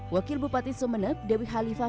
wakil bupati sumeneb dewi khalifah